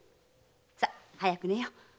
さ早く寝よう。